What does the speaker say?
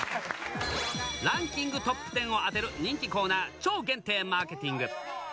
ランキングトップ１０を当てる人気コーナー、超限定マーケティング。